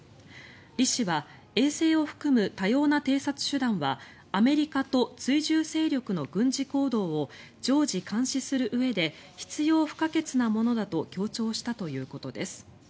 リ氏は衛星を含む多様な偵察手段はアメリカと追従勢力の軍事行動を常時監視するうえで必要不可欠なものだと強調したということです。